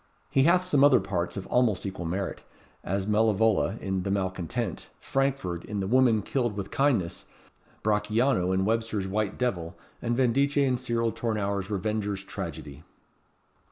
He hath some other parts of almost equal merit, as Malevole, in the 'Malcontent;' Frankford, in the 'Woman Killed with Kindness;' Brachiano, in Webster's 'White Devil;' and Vendice, in Cyril Tournour's 'Revenger's Tragedy.'"